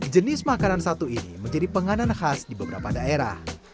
jenis makanan satu ini menjadi penganan khas di beberapa daerah